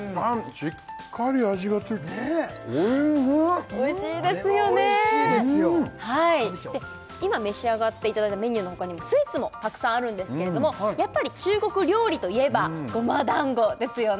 食べちゃお今召し上がっていただいたメニューのほかにもスイーツもたくさんあるんですけれどもやっぱり中国料理といえば胡麻団子ですよね